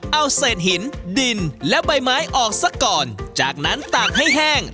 เอาเศษหินดินและใบไม้ออกซะก่อนจากนั้นตากให้แห้ง